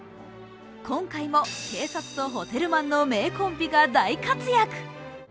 今回も警察とホテルマンの名コンビが大活躍。